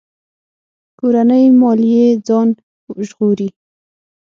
کورنۍ ماليې ځان ژغوري.